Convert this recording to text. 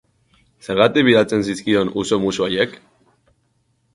Zergatik bidaltzen zizkion uso musu haiek?